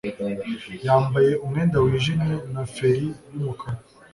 yambaye umwenda wijimye na feri yumukara